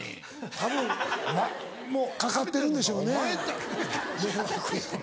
たぶんかかってるんでしょうね迷惑。